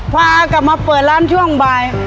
พากลับมาเปิดร้านช่วงบ่าย